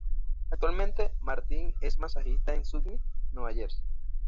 Actualmente, Martin es masajista en Summit, Nueva Jersey.